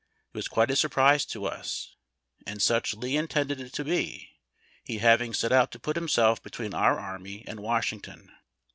It was quite a surprise to us ; and such Lee intended it to be, he having set out to put himself between our army and Washington.